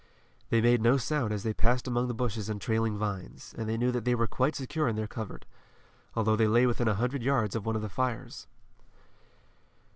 They made no sound as they passed among the bushes and trailing vines, and they knew that they were quite secure in their covert, although they lay within a hundred yards of one of the fires.